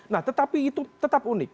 nah tetapi itu tetap unik